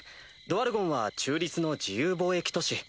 ドワルゴンは中立の自由貿易都市。